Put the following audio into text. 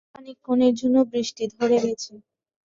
খানিকক্ষণের জন্যে বৃষ্টি ধরে গেছে।